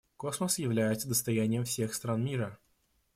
Космос является достоянием всех стран мира.